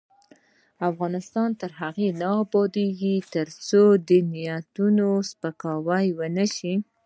افغانستان تر هغو نه ابادیږي، ترڅو نیتونه سپیڅلي نشي.